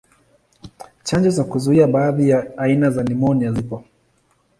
Chanjo za kuzuia baadhi ya aina za nimonia zipo.